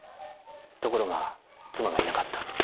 ところが妻がいなかった。